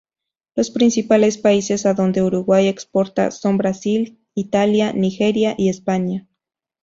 Los principales países a donde Uruguay exporta son Brasil, Italia, Nigeria y España.